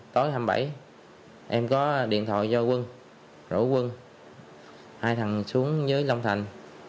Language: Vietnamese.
tối hai mươi bảy em có điện thoại do quân rổ quân hai thằng xuống dưới long thành